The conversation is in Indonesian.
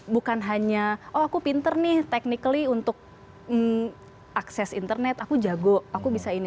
bukan hanya oh aku pinter nih technically untuk akses internet aku jago aku bisa ini